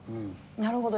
なるほど。